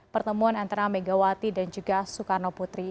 pertemuan antara megawati dan juga soekarno putri